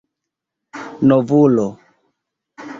novulo